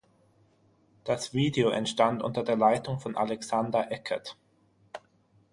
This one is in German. Das Video entstand unter der Leitung von Alexander Eckert.